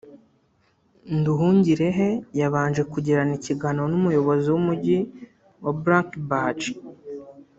Nduhungirehe yabanje kugirana ikiganiro n’umuyobozi w’Umujyi wa Blankenberge